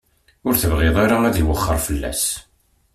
Ur tebɣi ara ad iwexxer fell-as.